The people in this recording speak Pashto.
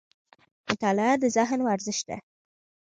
مطالعه د ذهن ورزش دی